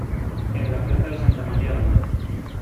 En la "plaza de Santa María la Nueva".